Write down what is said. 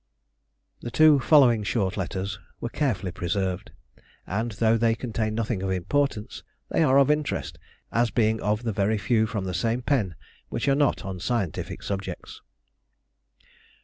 The two following short letters were carefully preserved, and, though they contain nothing of importance, they are of interest as being of the very few from the same pen which are not on scientific subjects.